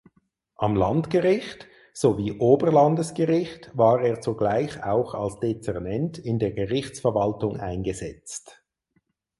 Am Landgericht sowie Oberlandesgericht war er zugleich auch als Dezernent in der Gerichtsverwaltung eingesetzt.